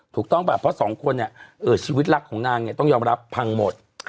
ถูกต้องป่ะเพราะสองคนเนี่ยชีวิตรักของนางเนี่ยต้องยอมรับพังหมด